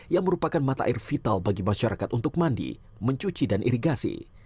yang merupakan mata air vital bagi masyarakat untuk mandi mencuci dan irigasi